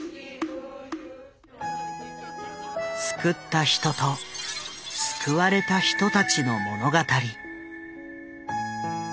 救った人と救われた人たちの物語。